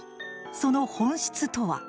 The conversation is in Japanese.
その本質とは？